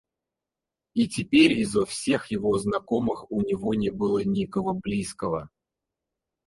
И теперь изо всех его знакомых у него не было никого близкого.